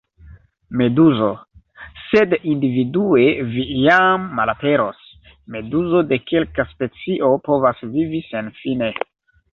Meduzo: "Sed individue vi iam malaperos. Meduzo de kelka specio povas vivi senfine."